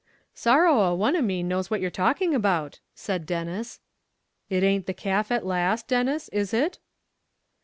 "Sorrow a one of me knows what you're talking about," said Denis. "It a'nt the calf at last, Denis, is it?"